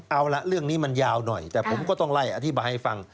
เอาละเรื่องนี้มันยาวหน่อยแต่ผมก็ต้องไล่อธิบายให้ฟัง